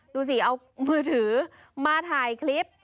ดูสิเอามือถือมาถ่ายคลิป